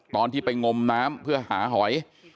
ตอนที่ไปงมน้ำเพื่อหาหอย